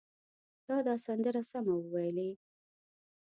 تا دا سندره سمه وویلې!